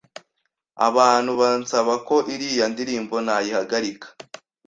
Abantu bansaba ko iriya ndirimbo nayihagarika..